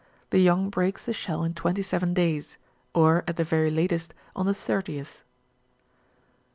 The young breaks the shell in twenty seven days, or, at the very latest, on the thirtieth.